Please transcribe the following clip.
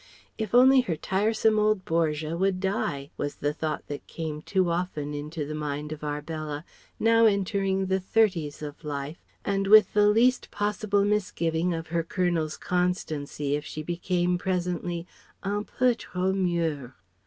If only her tiresome old Borgia would die was the thought that came too often into the mind of Arbella, now entering the "thirties" of life, and with the least possible misgiving of her Colonel's constancy if she became presently "un peu trop mûre."